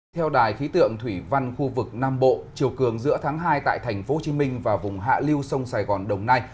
theo đài khí tượng thủy văn khu vực nam bộ chiều cường giữa tháng hai tại tp hcm và vùng hạ lưu sông sài gòn đồng nai